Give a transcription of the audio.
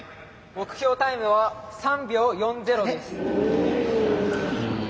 目標タイムは３秒４０です。